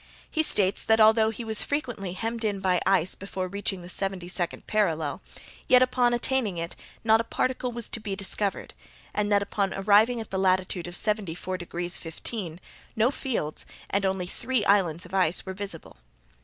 He states that although he was frequently hemmed in by ice before reaching the seventy second parallel, yet, upon attaining it, not a particle was to be discovered, and that, upon arriving at the latitude of 74 degrees 15', no fields, and only three islands of ice were visible.